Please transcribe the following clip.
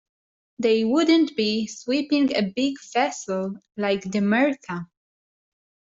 They wouldn't be sweeping a big vessel like the Martha.